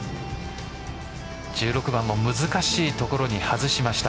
１６番も難しい所に外しました。